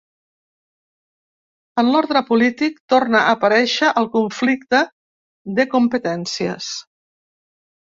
En l'ordre polític, torna aparèixer el conflicte de competències.